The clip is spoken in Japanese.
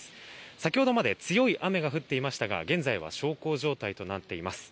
先ほどまで強い雨が降っていましたが現在は小康状態となっています。